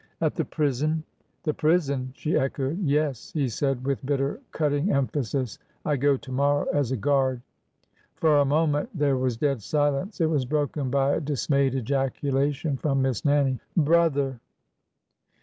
" At the prison !" The prison !" she echoed. Yes ;" he said with bitter, cutting emphasis. I go to morrow as a guard !" For a moment there was dead silence. It was broken by a dismayed ejaculation from Miss Nannie. "" Brother!"